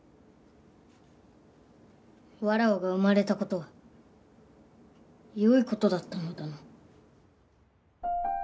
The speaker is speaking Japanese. わらわが生まれた事は良い事だったのだな。